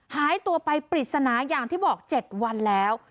หายตัวไปปริศนาอย่างที่บอก๗วันแล้ว